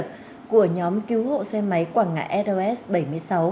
bó đèn qua đây